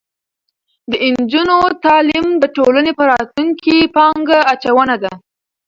د نجونو تعلیم د ټولنې په راتلونکي پانګه اچونه ده.